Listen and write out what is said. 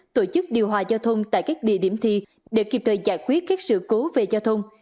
tổ chức điều hòa giao thông tại các địa điểm thi để kịp thời giải quyết các sự cố về giao thông